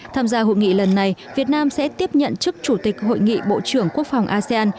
tham gia hội nghị lần này việt nam sẽ tiếp nhận chức chủ tịch hội nghị bộ trưởng quốc phòng asean